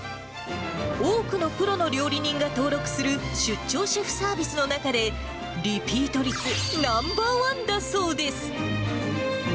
多くのプロの料理人が登録する、出張シェフサービスの中で、リピート率ナンバー１だそうです。